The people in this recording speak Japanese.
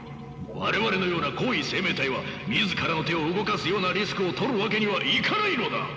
我々のような高位生命体は自らの手を動かすようなリスクをとるわけにはいかないのだ！